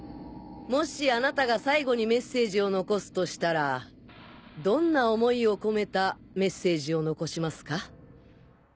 もしあなたが最後にメッセージを残すとしたらどんな想いを込めたメッセージを残しますか？